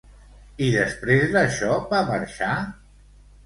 I després d'això va marxar?